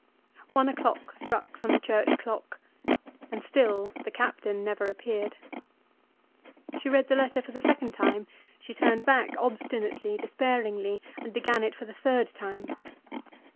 One o'clock struck from the church clock, and still the captain never appeared. She read the letter for the second time; she turned back obstinately, despairingly, and began it for the third time.